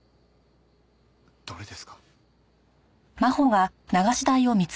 どれですか？